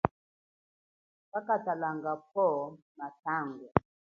Kakatalanga phowo mutangu.